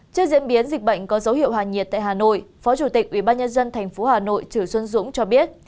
trên diễn biến dịch bệnh có dấu hiệu hòa nhiệt tại hà nội phó chủ tịch ubnd tp hà nội trữ xuân dũng cho biết